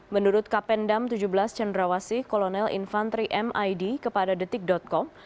menurut kapendam tujuh belas cendrawasih kolonel infantri mid kepada detik com